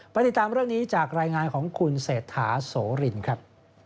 ติดตามเรื่องนี้จากรายงานของคุณเศรษฐาโสรินครับ